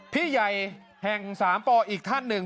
พี่ใหญ่แห่งสามปอีกท่านหนึ่ง